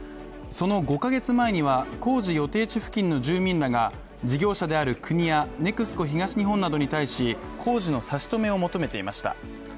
その５カ月前には工事予定地付近の住民らが事業者である国や、ＮＥＸＣＯ東日本などに対し、工事の差し止めを求めていました。